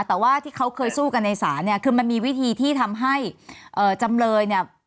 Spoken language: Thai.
แต่ว่าที่เขาเคยสู้กันในศาลเนี่ยคือมันมีวิธีที่ทำให้จำเลยเนี่ย